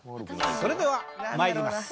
それでは参ります。